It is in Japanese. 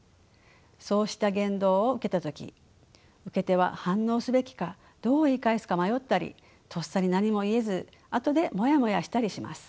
そうした言動を受けた時受け手は反応すべきかどう言い返すか迷ったりとっさに何も言えず後でモヤモヤしたりします。